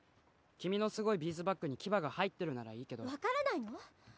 君のすごいビーズバッグに牙が入ってるならいいけど分からないの？